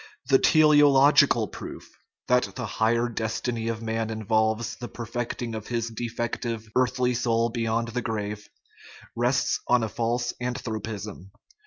The ideological proof that the " higher des tiny " of man involves the perfecting of his defective, earthly soul beyond the grave rests on a false an thropism.